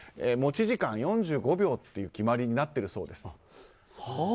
持ち時間４５秒という決まりになっているそうです。